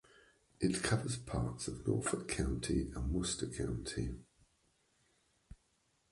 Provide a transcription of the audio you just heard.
It covers parts of Norfolk County and Worcester County.